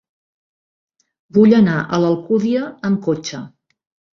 Vull anar a l'Alcúdia amb cotxe.